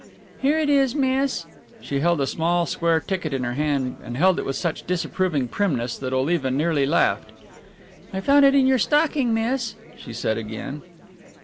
"Here it is, miss." She held a small square ticket in her hand and held it with such disapproving primness that Oliva nearly laughed. "I found it in your stocking, miss," she said again.